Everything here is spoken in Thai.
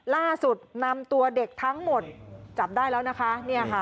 ล่าสุดนำตัวเด็กทั้งหมดจับได้แล้วนะคะ